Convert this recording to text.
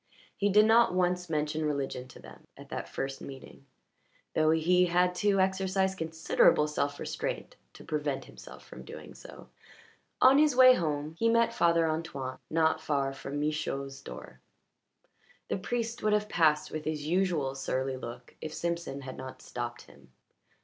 He did not once mention religion to them at that first meeting, though he had to exercise considerable self restraint to prevent himself from doing so. On his way home he met Father Antoine not far from Michaud's door. The priest would have passed with his usual surly look if Simpson had not stopped him.